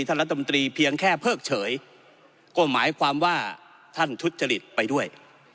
รัฐมนตรีเพียงแค่เพิกเฉยก็หมายความว่าท่านทุจริตไปด้วย